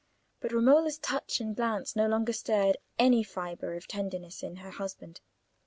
But Romola's touch and glance no longer stirred any fibre of tenderness in her husband.